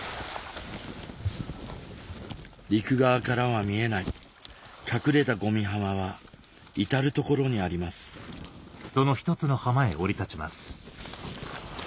陸側からは見えない隠れたゴミ浜は至る所にありますハァア。